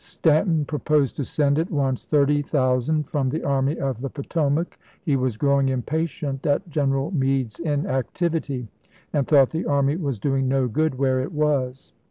Stanton proposed to send at once thirty thousand from the Army of the Potomac ; he was growing impatient at General Meade's inactivity, and thought the army was doing no good where it was.